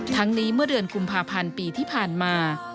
ทั้งนี้เมื่อเดือนกุมภาพันธ์ปีที่ผ่านมา